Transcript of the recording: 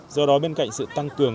do đó bên cạnh sự tăng cường